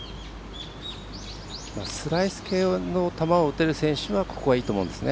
スライス系の球を打てる選手はここは、いいと思うんですね。